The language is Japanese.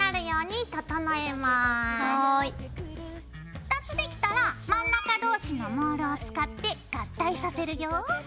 ２つできたら真ん中同士のモールを使って合体させるよ。